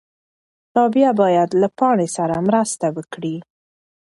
رابعه باید له پاڼې سره مرسته وکړي.